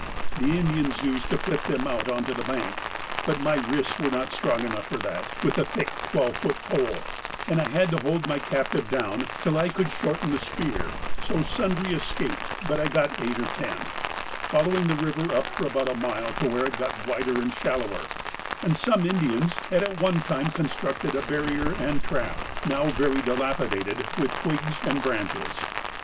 The Indians used to flip them out on to the bank, but my wrists were not strong enough for that with a thick twelve foot pole, and I had to hold my captive down till I could shorten the spear, so sundry escaped, but I got eight or ten, following the river up for about a mile to where it got wider and shallower, and some Indians had at one time constructed a barrier and trap, now very dilapidated, with twigs and branches.